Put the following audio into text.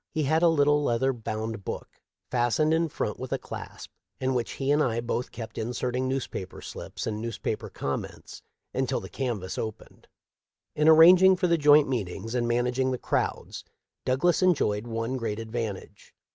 He had a little leather bound book, fastened in front with a clasp, in which he and I both kept inserting newspaper slips and newspaper comments until the canvass opened. In arranging for the joint meetings and managing the crowds Douglas enjoyed one great advantage.